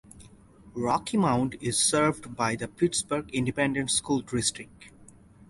Rocky Mound is served by the Pittsburg Independent School District.